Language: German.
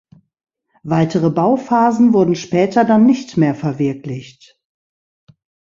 Weitere Bauphasen wurden später dann nicht mehr verwirklicht.